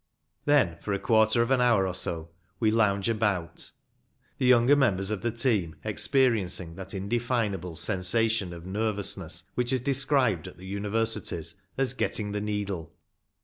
Then for a quarter of an hour or so we lounge about, the younger members of the team experi encing that indefinable sensation of nervousness which is described at the Universities as "getting the needle."